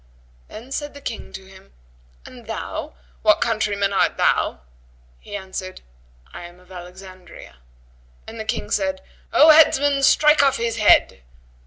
Then said the King to him, "And thou, what countryman art thou?" He answered, "I am of Alexandria," and the King said, "O headsman, strike off his head."